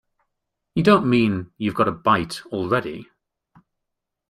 You don't mean you've got a bite already?